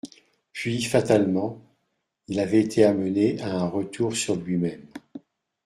Puis, fatalement, il avait été amené à un retour sur lui-même.